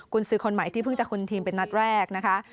คุณซื้อคนใหม่ที่เพิ่งจะคุ้นทีมเป็นนัดแรกนะคะ